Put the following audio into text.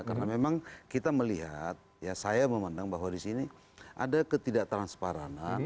karena memang kita melihat ya saya memandang bahwa disini ada ketidaktransparan